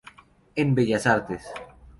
En bellas Artes.